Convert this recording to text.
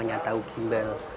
ini namanya tahu gimbal